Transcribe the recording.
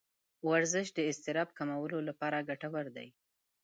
ورزش د اضطراب کمولو لپاره ګټور دی.